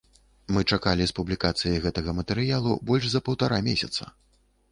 Мы чакалі з публікацыяй гэтага матэрыялу больш за паўтара месяца.